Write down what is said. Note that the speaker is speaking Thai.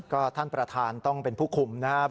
ก็ท่านประธานต้องเป็นผู้คุมนะครับ